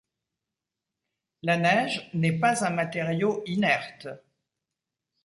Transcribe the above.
La neige n'est pas un matériau inerte.